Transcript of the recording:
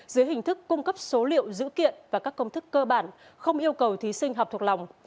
dưới hình thức cung cấp số liệu dự kiện và các công thức cơ bản không yêu cầu thí sinh học thuộc lòng